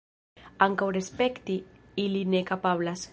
Ankaŭ respekti ili ne kapablas.